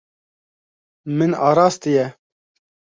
Min arastiye.